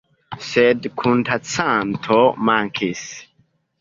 Sed kundancanto mankis.